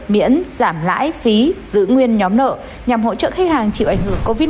miễn giảm lãi phí giữ nguyên nhóm nợ nhằm hỗ trợ khách hàng chịu ảnh hưởng covid một mươi